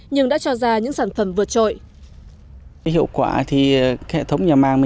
nhưng đã cho ra những sản phẩm vượt trội